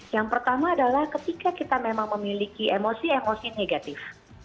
yang pertama adalah ketika kita memang memiliki emosi emosi negatif